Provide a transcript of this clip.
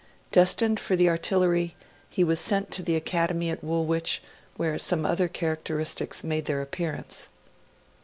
Destined for the Artillery, he was sent to the Academy at Woolwich, where some other characteristics made their appearance.